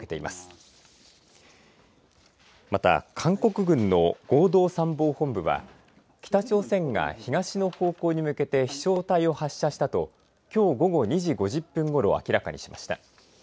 また韓国軍の合同参謀本部は北朝鮮が東の方向に向けて飛しょう体を発射したときょう午後２時５０分ごろ、明らかにしました。